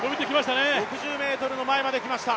６０ｍの前まで来ました。